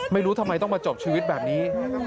ไม่รู้ทำไมต้องมาจบชีวิตแบบนี้